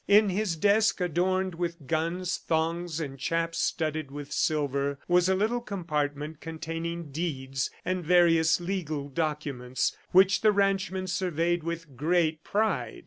In his desk, adorned with guns, thongs, and chaps studded with silver, was a little compartment containing deeds and various legal documents which the ranchman surveyed with great pride.